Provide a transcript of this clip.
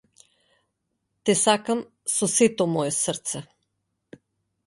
Те сакам со сето мое срце.